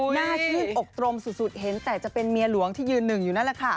หน้าชื่นอกตรงสุดเห็นแต่จะเป็นเมียหลวงที่ยืนหนึ่งอยู่นั่นแหละค่ะ